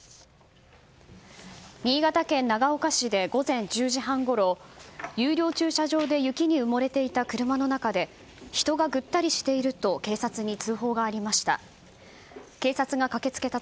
新潟県長岡市で午前１０時半ごろ有料駐車場で雪に埋もれていた車の中で人がぐったりしていると警察に通報がありました。